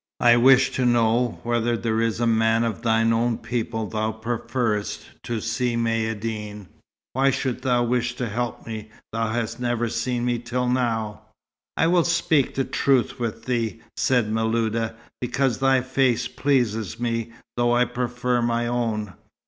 I wish to know whether there is a man of thine own people thou preferest to Si Maïeddine." "Why shouldst thou wish to help me? Thou hast never seen me till now." "I will speak the truth with thee," said Miluda, "because thy face pleases me, though I prefer my own.